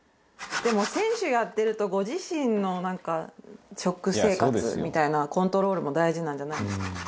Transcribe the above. でも、選手やってるとご自身の、なんか食生活みたいなコントロールも大事なんじゃないですか？